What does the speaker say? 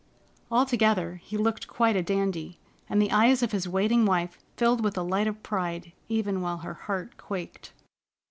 Altogether, he looked quite a dandy, and the eyes of his waiting wife filled with a light of pride even while her heart quaked.